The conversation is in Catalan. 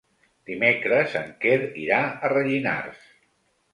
Dimecres en Quer irà a Rellinars.